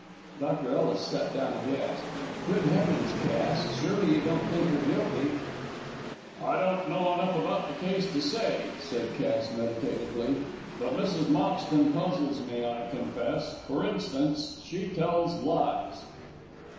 Dr. Ellis sat down aghast. "Good heavens, Cass! Surely you don't think her guilty?" "I don't know enough about the case to say," said Cass, meditatively; "but Mrs. Moxton puzzles me, I confess. For instance, she tells lies."